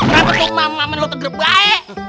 gak betul mamah lu teger baik